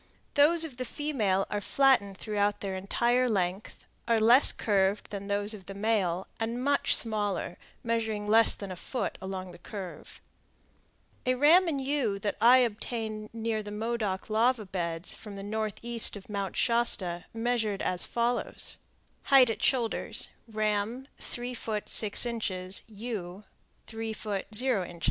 Those of the female are flattened throughout their entire length, are less curved than those of the male, and much smaller, measuring less than a foot along the curve. A ram and ewe that I obtained near the Modoc lava beds, to the northeast of Mount Shasta, measured as follows: Ram. Ewe. ft. in. ft. _in.